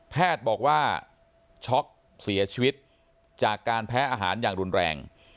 แพทย์บอกว่าช็อกเสียชีวิตจากการแพ้อาหารอย่างรุนแรง